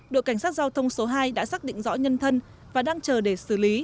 đội cảnh sát giao thông số hai đã xác định rõ nhân thân và đang chờ để xử lý